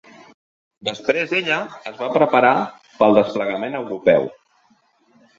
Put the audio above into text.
Després ella es va preparar per al desplegament europeu.